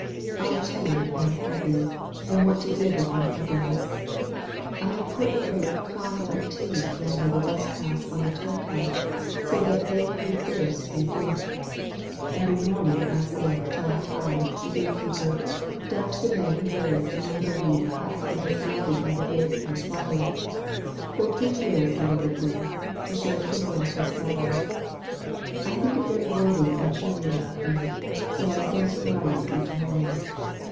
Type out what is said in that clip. I too am happy, and I want to give of my happiness. I have put a great kang of tea down by the rest house on the tow path, so that they who thirst may drink. Each morning I send Chang tai, the gate keeper, down to the man who lives in the little reed hut he has builded by the grave of his father. For three years he will live there, to show to the world his sorrow. I think it very worthy and filial of him, so I send him rice each morning.